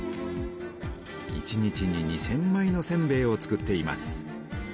一日に２，０００まいのせんべいを作っています。